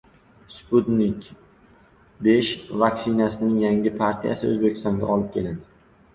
"Sputnik V" vaktsinasining yangi partiyasi O‘zbekistonga olib kelindi